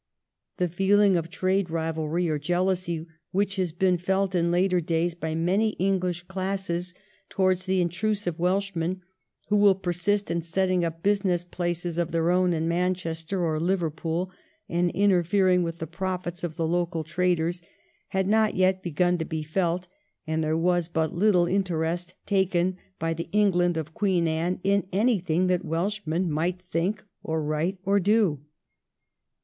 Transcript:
The feeling of trade rivalry or jealousy which has been felt in later days by many Ehghsh classes towards the intrusive Welsh men, who will persist in setting up business places of their own in Manchester or Liverpool and interfering with the profits of the local traders, had not yet begun to be felt, and there was but little interest taken by the England of Queen Anne in anything that Welshmen might think, or write, or do.